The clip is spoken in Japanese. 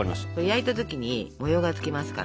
焼いた時に模様がつきますから。